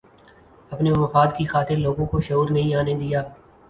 اپنے مفاد کی خاطرلوگوں کو شعور نہیں آنے دیا